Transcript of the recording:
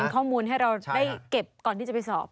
ข้อมูลให้เราได้เก็บก่อนที่จะไปสอบ